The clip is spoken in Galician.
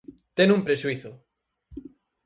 Ten un prexuízo.